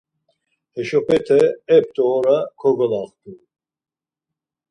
Heşopete epto ora kogolaxtu.